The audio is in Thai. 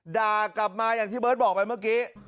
ด่ากลับมาอย่างที่เบิร์ตบอกไปเมื่อกี้